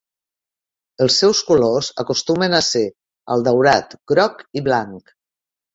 Els seus colors acostumen a ser el daurat, groc i blanc.